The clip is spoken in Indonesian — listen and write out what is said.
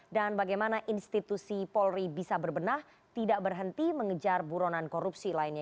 dan bagaimana institusi polri bisa berbenah tidak berhenti mengejar buronan korupsi lainnya